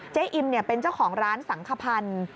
อิมเป็นเจ้าของร้านสังขพันธ์